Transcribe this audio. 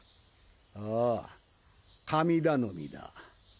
ああ神頼みだ。